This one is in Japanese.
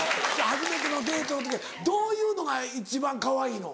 初めてのデートの時はどういうのが一番かわいいの？